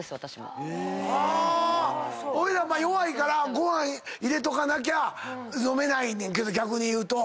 おいら弱いからご飯入れとかなきゃ飲めないねんけど逆に言うと。